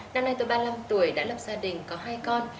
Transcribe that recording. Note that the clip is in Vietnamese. năm nay tôi ba mươi năm tuổi đã lập gia đình có hai con